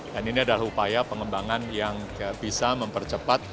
dan ini adalah upaya pengembangan yang bisa mempercepat